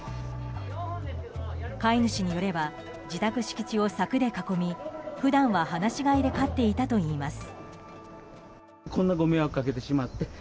飼い主によれば自宅敷地を柵で囲み普段は放し飼いで飼っていたといいます。